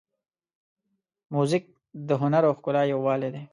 موزیک د هنر او ښکلا یووالی دی.